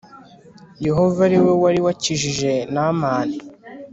Yehova ari we wari wakijije Naamani